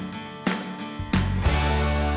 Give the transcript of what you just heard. โปรดติดตามตอนต่อไป